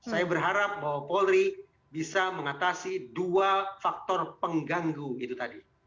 saya berharap bahwa polri bisa mengatasi dua faktor pengganggu itu tadi